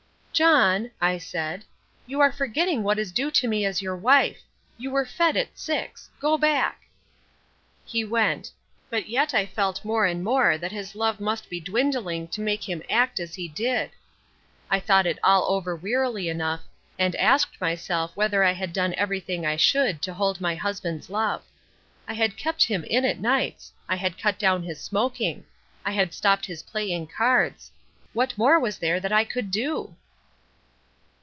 "John," I said, "you are forgetting what is due to me as your wife. You were fed at six. Go back." He went. But yet I felt more and more that his love must be dwindling to make him act as he did. I thought it all over wearily enough and asked myself whether I had done everything I should to hold my husband's love. I had kept him in at nights. I had cut down his smoking. I had stopped his playing cards. What more was there that I could do?